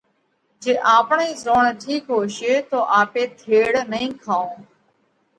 جي آپڻئي زوڻ ٺِيڪ ھوشي تو آپي ٿيڙ نئين کائون۔